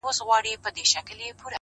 د وحشت؛ په ښاریه کي زندگي ده;